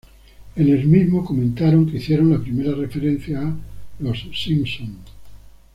En el mismo comentaron que hicieron la primera referencia a "Los Simpson".